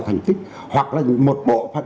thành tích hoặc là một bộ phận